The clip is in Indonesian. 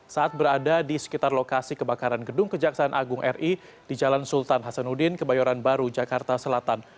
saat berada di sekitar lokasi kebakaran gedung kejaksaan agung ri di jalan sultan hasanuddin kebayoran baru jakarta selatan